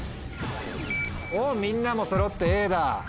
みんなもそろってＡだ。